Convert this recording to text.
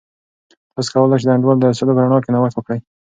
تاسې کولای سئ د انډول د اصولو په رڼا کې نوښت وکړئ.